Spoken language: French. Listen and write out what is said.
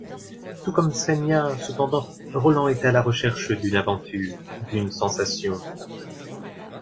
Tout comme Svenja, cependant, Roland est à la recherche d'une aventure, d'une sensation.